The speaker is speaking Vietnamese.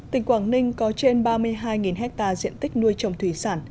tỉnh quảng ninh có trên ba mươi hai hectare diện tích nuôi trồng thủy sản